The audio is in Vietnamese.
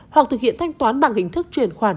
hoặc thực hiện thanh toán bằng hình thức chuyển khoản